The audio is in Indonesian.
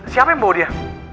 siapa yang bawa dia